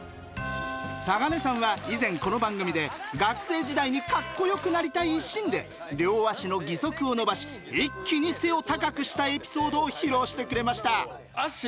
嵯峨根さんは以前この番組で学生時代にカッコよくなりたい一心で両足の義足を伸ばし一気に背を高くしたエピソードを披露してくれました。